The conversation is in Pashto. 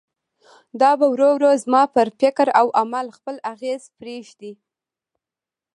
دا به ورو ورو زما پر فکر او عمل خپل اغېز پرېږدي.